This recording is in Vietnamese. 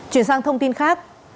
chuyển sang thông tin khác